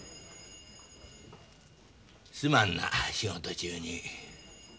すまんな仕事中に。